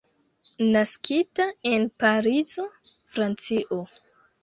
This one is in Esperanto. Naskita en Parizo, Francio.